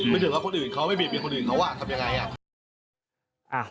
ไม่ได้รับคนอื่นเขาไม่มีคนอื่นเขาว่าทำยังไง